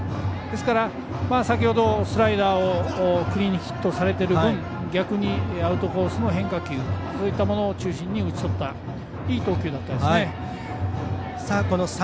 ですから、先ほどスライダーをクリーンヒットされている分逆にアウトコースの変化球そういったものを中心に打ち取ったいい投球でした。